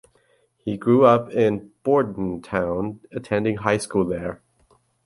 He grew up in Bordentown attending high school there.